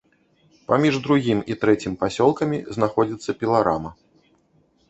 Паміж другім і трэцім пасёлкамі знаходзіцца піларама.